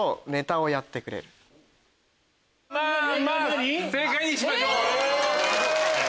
まぁまぁ正解にしましょう。